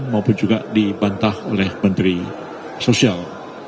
maupun juga dibantah oleh menteri sosial